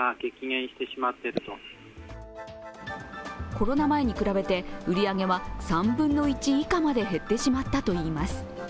コロナ前に比べて、売り上げは３分の１以下まで減ってしまったといいます。